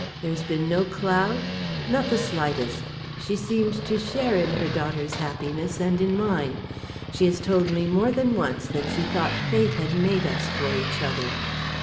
"There has been no cloud?" "Not the slightest! She seemed to share in her daughter's happiness and in mine. She has told me more than once that she thought fate had made us for each other."